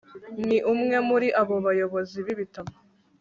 ni umwe muri abo bayobozi b'ibitabo